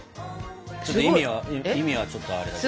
ちょっと意味は意味はちょっとあれだけど。